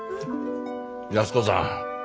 安子さん。